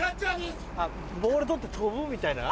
ボール捕って飛ぶみたいな？